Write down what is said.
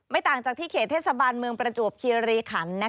ต่างจากที่เขตเทศบาลเมืองประจวบคีรีขัน